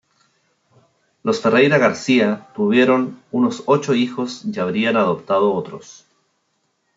Los Ferreyra-García tuvieron unos ocho hijos y habrían adoptado otros.